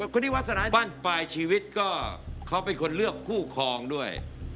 คนที่วัดบ้านปลายชีวิตก็เขาเป็นคนเลือกคู่ครองด้วย